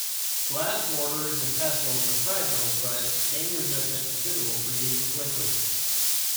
Glass mortars and pestles are fragile, but stain-resistant and suitable for use with liquids.